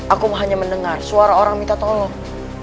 aku hanya mendengar suara orang minta tolong